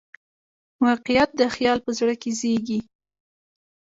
واقعیت د خیال په زړه کې زېږي.